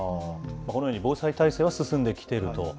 このように防災体制は進んできていると。